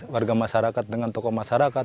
warga masyarakat dengan tokoh masyarakat